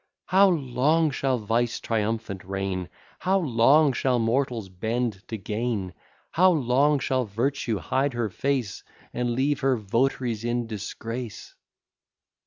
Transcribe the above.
How long shall vice triumphant reign? How long shall mortals bend to gain? How long shall virtue hide her face, And leave her votaries in disgrace?